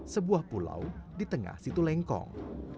sebuah pulau di tengah situ lengkong